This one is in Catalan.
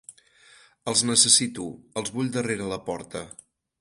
Els necessito, els vull darrere la porta.